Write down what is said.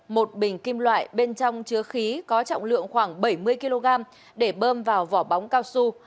một bình kim loại bên trong chứa khí có trọng lượng khoảng bảy mươi kg để bơm vào vỏ bóng cao su